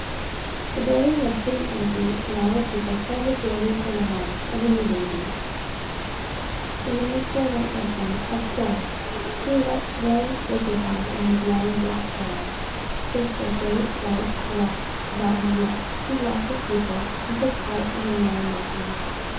The building was soon empty, and all the people started gaily for the home of the new baby. The minister went with them, of course. He looked very dignified in his long black gown, with a great white ruff about his neck. He loved his people, and took part in all their merry makings.